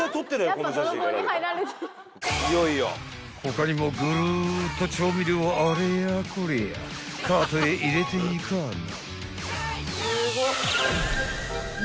［他にもグルーっと調味料をあれやこれやカートへ入れていかぁな］